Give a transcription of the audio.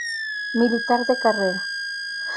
Militar de carrera.